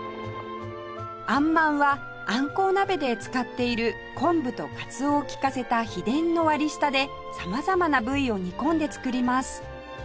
鮟まんはあんこう鍋で使っている昆布とかつおを利かせた秘伝の割り下で様々な部位を煮込んで作ります